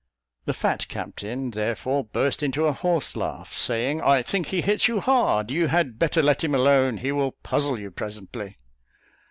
The fat captain, therefore burst into a horse laugh, saying, "I think he hits you hard; you had better let him alone: he will puzzle you presently."